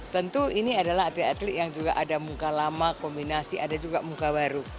tentu ini adalah atlet atlet yang juga ada muka lama kombinasi ada juga muka baru